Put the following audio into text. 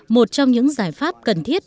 một trong những giải pháp cần thiết